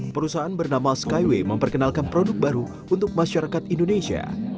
perusahaan bernama skyway memperkenalkan produk baru untuk masyarakat indonesia